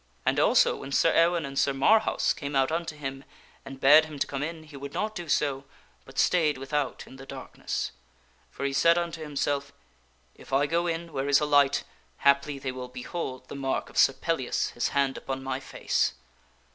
And also, when Sir Ewaine and Sir Marhaus came out unto him and bade him to come in, he would not do so, but stayed without in the darkness ; for he said unto himself, " If I go in where is a light, haply they will behold the mark of Sir Pellias his hand upon my face."